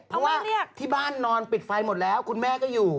เพราะว่าที่บ้านนอนปิดไฟหมดแล้วคุณแม่ก็อยู่